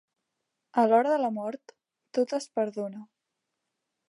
A l'hora de la mort, tot es perdona.